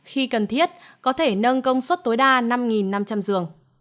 khi cần thiết có thể nâng công suất tối đa năm năm trăm linh giường